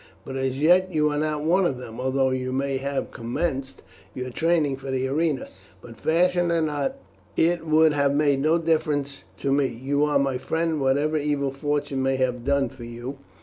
But as yet you are not one of them although you may have commenced your training for the arena. But fashion or not, it would have made no difference to me, you are my friend whatever evil fortune may have done for you.